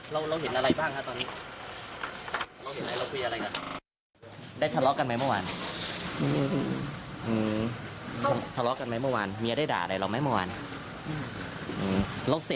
เราเห็นอะไรบ้างครับตอนนี้เราเห็นอะไรเราคุยอะไรกัน